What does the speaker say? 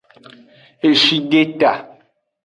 Eshideta.